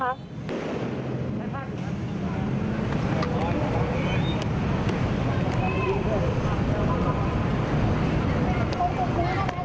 ทางเจ้าหน้าที่ตำรวจนะครับก็ยังคงฝากหลักอยู่ที่บริเวณแปดจิ้นแดงนะคะ